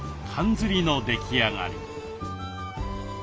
ずりの出来上がり。